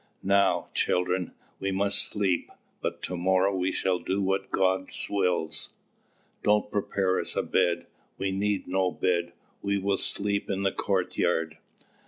"Now, children, we must sleep, but to morrow we shall do what God wills. Don't prepare us a bed: we need no bed; we will sleep in the courtyard."